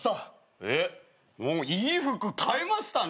えっいい服買いましたね。